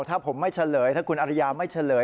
ถ้าผมไม่เฉลยถ้าคุณอริยาไม่เฉลย